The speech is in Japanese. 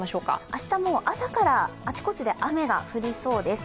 明日、朝からあちこちで雨が降りそうです。